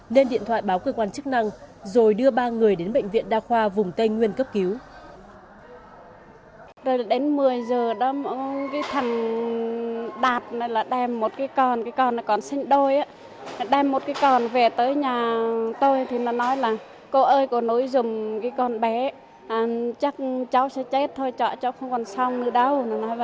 nên điện thoại báo cơ quan chức năng rồi đưa ba người đến bệnh viện đa khoa vùng tây nguyên cấp cứu